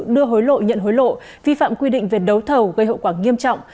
đưa hối lộ nhận hối lộ vi phạm quy định về đấu thầu gây hậu quả nghiêm trọng